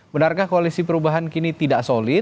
benarkah koalisi perubahan kini tidak solid